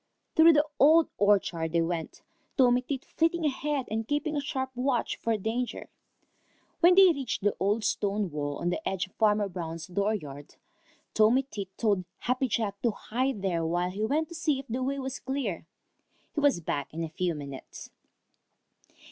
Through the Old Orchard they went, Tommy Tit flitting ahead and keeping a sharp watch for danger. When they reached the old stone wall on the edge of Farmer Brown's dooryard, Tommy told Happy Jack to hide there while he went to see if the way was clear. He was back in a few minutes.